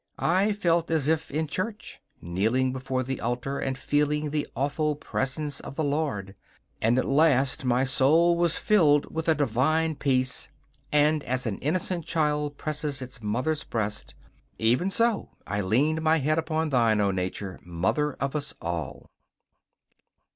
I felt as if in church, kneeling before the altar and feeling the awful presence of the Lord. And at last my soul was filled with a divine peace, and as an innocent child presses its mother's breast, even so I leaned my head upon thine, O Nature, mother of us all!